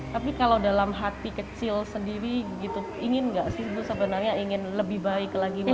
tapi kalau dalam hati kecil sendiri ingin tidak sih sebenarnya ingin lebih baik lagi melihat